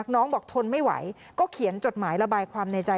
น้องบอกทนไม่ไหวก็เขียนจดหมายระบายความในใจ